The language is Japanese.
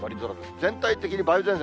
全体的に梅雨前線